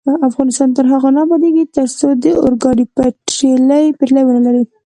افغانستان تر هغو نه ابادیږي، ترڅو د اورګاډي پټلۍ ونلرو.